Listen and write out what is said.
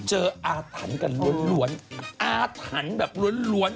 เจออาถันกันล้วนอาถันแบบล้วน